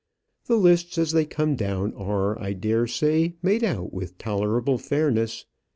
The lists as they come down are, I dare say, made out with tolerable fairness.